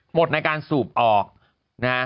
หมดในการสูบออกนะฮะ